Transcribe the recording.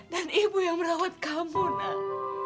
dan ibu yang merawat kamu nak